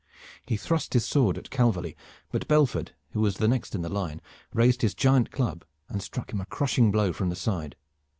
He thrust with his sword at Calverly, but Belford who was the next in the line raised his giant club and struck him a crushing blow from the side.